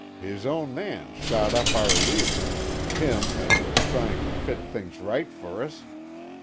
His own man shot up our leader, him as was trying to fit things right fer us.